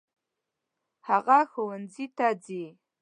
هغه ښوونځي ته ځي.